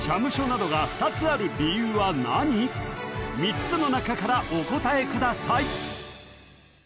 クイズ３つの中からお答えください